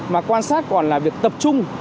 mà quan sát còn là việc tập trung